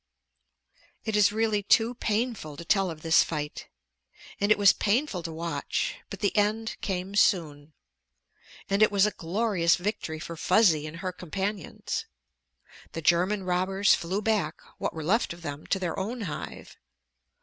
It is really too painful to tell of this fight. And it was painful to watch. But the end came soon. And it was a glorious victory for Fuzzy and her companions. The German robbers flew back, what were left of them, to their own hive.